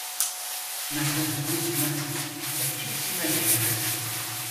Maziɣ tewwi-t tnafa akken Sima gar yifasen-is.